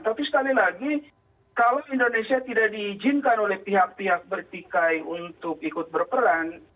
tapi sekali lagi kalau indonesia tidak diizinkan oleh pihak pihak bertikai untuk ikut berperan